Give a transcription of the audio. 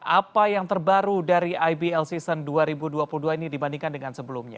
apa yang terbaru dari ibl season dua ribu dua puluh dua ini dibandingkan dengan sebelumnya